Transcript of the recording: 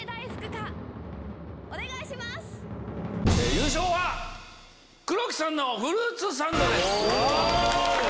優勝は黒木さんのフルーツサンドです。